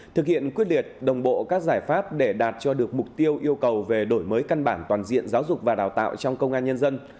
thực hiện quyết liệt đồng bộ các giải pháp để đạt cho được mục tiêu yêu cầu về đổi mới căn bản toàn diện giáo dục và đào tạo trong công an nhân dân